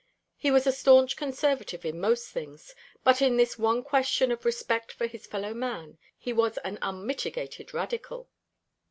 He was a staunch Conservative in most things; but in this one question of respect for his fellow man he was an unmitigated Radical.